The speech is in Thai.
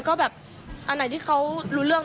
ไปเล่นแป๊บหนึ่ง